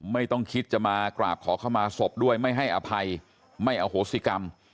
ไม่ต้องคิดจะมากราบขอเข้ามาศพด้วยไม่ให้อภัยไม่อโหสิกรรม